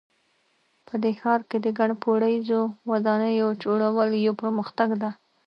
په دې ښار کې د ګڼ پوړیزو ودانیو جوړول یو پرمختګ ده